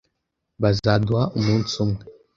Bazaduha umunsi umwe.